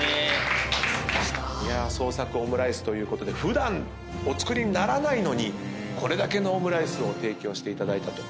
創作オムライスということで普段お作りにならないのにこれだけのオムライスを提供していただいたと。